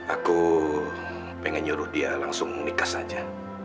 aku pengen nyuruh dia langsung nikah saja